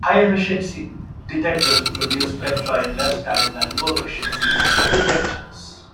High-efficiency detectors produce spectra in less time than low-efficiency detectors.